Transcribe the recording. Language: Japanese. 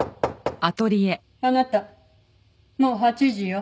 あなたもう８時よ。